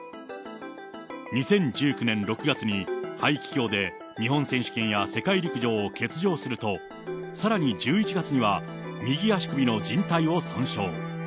２０１９年６月に、肺気胸で日本選手権や世界陸上を欠場すると、さらに１１月には、右足首のじん帯を損傷。